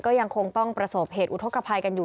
ก็ยังคงต้องประสบเหตุอุทธกภัยกันอยู่